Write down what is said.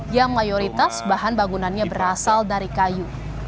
yang mayoritas bahan bangunannya berasal dari kayu